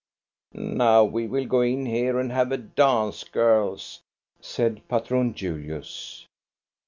" Now we will go in here and have a dance, girls," said Patron Julius.